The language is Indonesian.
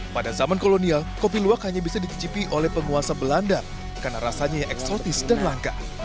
pada zaman kolonial kopi luwak hanya bisa dicicipi oleh penguasa belanda karena rasanya yang eksotis dan langka